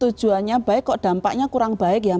tujuannya baik kok dampaknya kurang baik ya